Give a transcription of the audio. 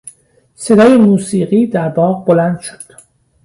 صدای موسیقی در باغ بلند شد.